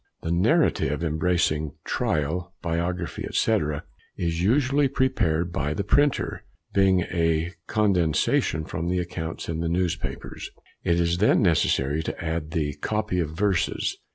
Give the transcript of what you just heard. The narrative, embracing trial, biography, &c., is usually prepared by the printer, being a condensation from the accounts in the newspapers. It is then necessary to add the "copy of verses."